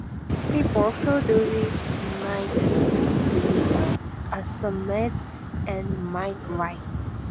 People who do it might be ashamed and might lie.